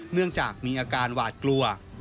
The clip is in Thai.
เนื่องจากมีอาการหวาดกลัว